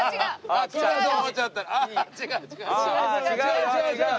ああ違う違う違う。